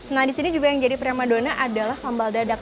nah disini juga yang jadi prima donna adalah sambal dadak